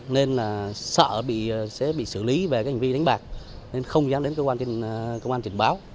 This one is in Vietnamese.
nên sợ sẽ bị xử lý về hành vi đánh bạc nên không dám đến công an trình báo